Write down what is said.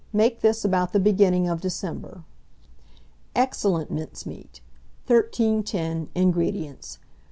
Make this about the beginning of December. EXCELLENT MINCEMEAT. 1310. INGREDIENTS.